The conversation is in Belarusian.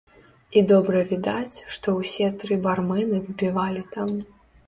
І добра відаць, што ўсе тры бармэны выпівалі там.